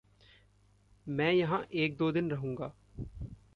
मैं यहाँ एक-दो दिन रहूँगा।